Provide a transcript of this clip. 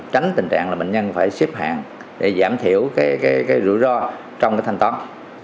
tránh tình trạng là bệnh nhân phải xếp hạn để giảm thiểu cái rủi ro trong cái thanh toán